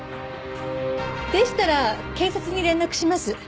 でしたら警察に連絡します。